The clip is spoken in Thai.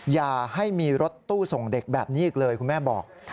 อย่าให้มีรถตู้ส่งเด็กแบบนี้อีกเลยคุณแม่บอก